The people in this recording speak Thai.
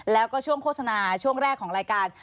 แล้วก็ช่วงโฆษณาช่วงแรกของรายการ